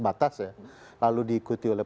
batas ya lalu diikuti oleh